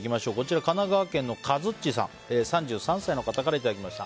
神奈川県の３３歳の方からいただきました。